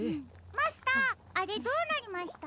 マスターあれどうなりました？